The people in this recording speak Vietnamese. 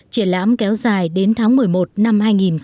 triển lãm kéo dài đến tháng một mươi một năm hai nghìn một mươi chín